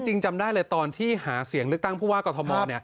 จริงจำได้เลยตอนที่หาเสียงลึกตั้งพูดว่ากอทม